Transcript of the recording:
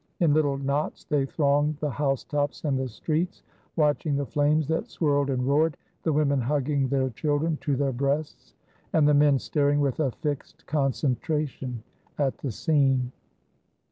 In little knots they thronged the house tops and the streets, watching the flames that swirled and roared, the women hugging their children to their breasts, and the men staring with a fixed concentration at the scene.